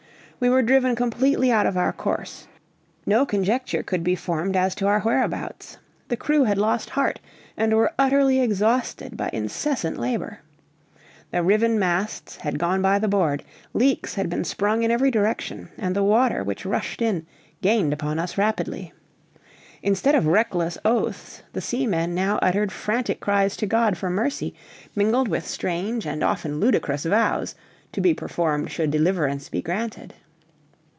We were driven completely out of our course; no conjecture could be formed as to our whereabouts. The crew had lost heart, and were utterly exhausted by incessant labor. The riven masts had gone by the board, leaks had been sprung in every direction, and the water, which rushed in, gained upon us rapidly. Instead of reckless oaths, the seamen now uttered frantic cries to God for mercy, mingled with strange and often ludicrous vows, to be performed should deliverance be granted.